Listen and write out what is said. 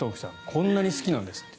こんなに好きなんですって。